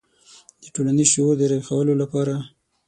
د ټولنیز شعور د راویښولو لپاره.